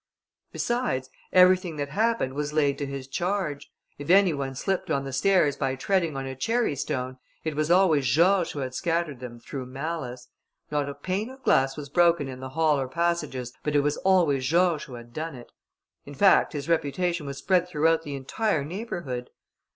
Besides, everything that happened was laid to his charge; if any one slipped on the stairs by treading on a cherrystone, it was always George who had scattered them through malice: not a pane of glass was broken in the hall or passages, but it was always George who had done it; in fact, his reputation was spread throughout the entire neighbourhood.